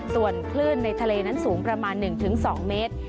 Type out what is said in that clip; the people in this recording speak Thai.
ส่วนคลื่นในทะเลนั้นสูงประมาณ๑๒เมตร